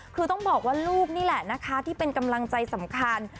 คือต้องบอกว่าลูกนี่แหละนะคะที่เป็นกำลังใจสำคัญ